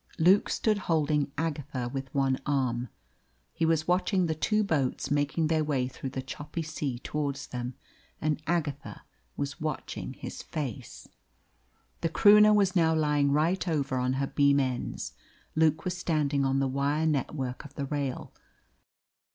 Luke stood holding Agatha with one arm. He was watching the two boats making their way through the choppy sea towards them, and Agatha was watching his face. The Croonah was now lying right over on her beam ends. Luke was standing on the wire network of the rail.